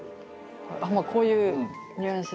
まあこういうニュアンスで。